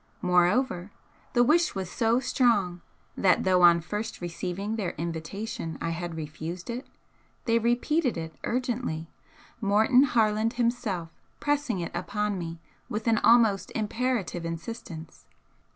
Moreover, the wish was so strong that though on first receiving their invitation I had refused it, they repeated it urgently, Morton Harland himself pressing it upon me with an almost imperative insistence.